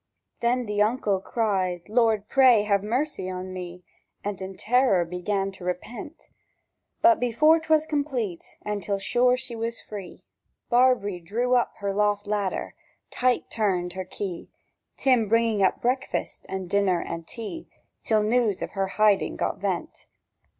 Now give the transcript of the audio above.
Then the uncle cried, "Lord, pray have mercy on me!" And in terror began to repent. But before 'twas complete, and till sure she was free, Barbree drew up her loft ladder, tight turned her key— Tim bringing up breakfast and dinner and tea— Till the news of her hiding got vent.